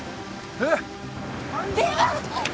えっ？